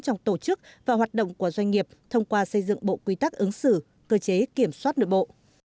trong tổ chức và hoạt động của doanh nghiệp thông qua xây dựng bộ quy tắc ứng xử cơ chế kiểm soát nội bộ